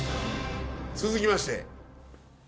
続きまして。